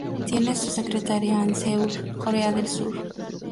Tiene su secretaría en Seúl, Corea del Sur.